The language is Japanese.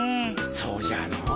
そうじゃのう。